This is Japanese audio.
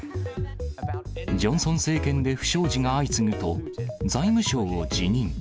ジョンソン政権で不祥事が相次ぐと、財務相を辞任。